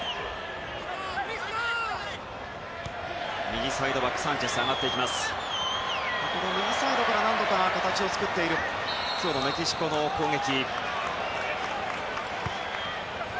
右サイドから何度か形を作っている今日のメキシコの攻撃。